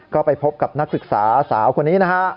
ก็ไปพบกับนักศึกษาสาวคนนี้นะฮะ